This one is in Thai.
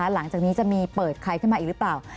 หลังจากนี้จะมีเปิดใครขึ้นมาอีกหรือเปล่า